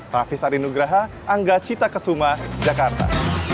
raffi sarinugraha angga cita kesuma jakarta